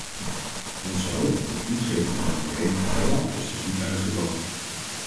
Onze hoop op de toetreding van een herenigd eiland is dus niet uitgekomen.